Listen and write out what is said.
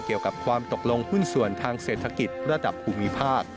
เกี่ยวกับความตกลงหุ้นส่วนทางเศรษฐกิจระดับภูมิภาค